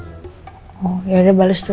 apa saya harus cari kandidat lain